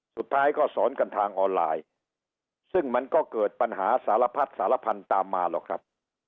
สุดท้ายก็สอนกันทางออนไลน์ซึ่งมันก็เกิดปัญหาสารพัดสารพันธุ์ตามมาหรอกครับ